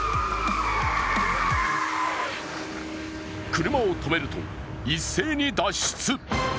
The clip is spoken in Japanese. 車を止めると一斉に脱出。